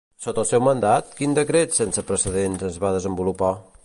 Sota el seu mandat, quin decret sense precedents es va desenvolupar?